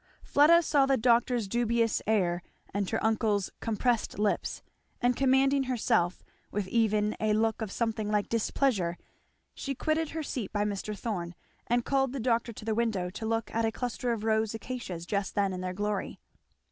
Fleda saw the doctor's dubious air and her uncle's compressed lips; and commanding herself, with even a look of something like displeasure she quitted her seat by Mr. Thorn and called the doctor to the window to look at a cluster of rose acacias just then in their glory.